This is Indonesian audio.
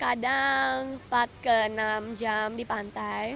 kadang kadang empat enam jam di pantai